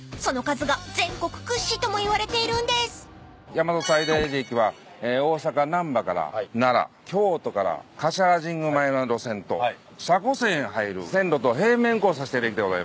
大和西大寺駅は大阪難波から奈良京都から橿原神宮前の路線と車庫線へ入る線路と平面交差してる駅でございます。